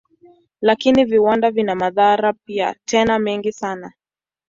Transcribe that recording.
Lakini viwanda vina madhara pia, tena mengi sana.